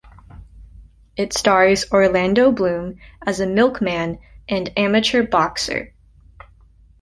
It stars Orlando Bloom as a milkman and amateur boxer.